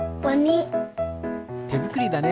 てづくりだね。